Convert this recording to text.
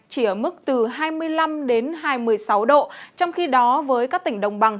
chỉ ở mức từ hai mươi năm đến hai mươi sáu độ trong khi đó với các tỉnh đồng bằng